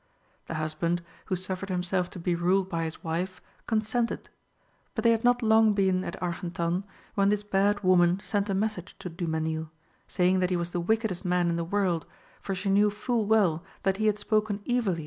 The husband, who suffered himself to be ruled by his wife, consented; but they had not been long at Argentan when this bad woman sent a message to Du Mesnil, saying that he was the wickedest man in the world, for she knew full well that he had spoken evilly